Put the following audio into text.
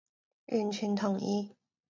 完全同意